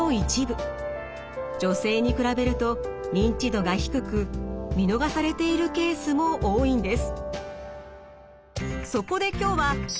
女性に比べると認知度が低く見逃されているケースも多いんです。